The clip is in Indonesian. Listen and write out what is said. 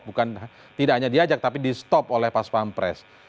bukan tidak hanya diajak tapi di stop oleh paspampres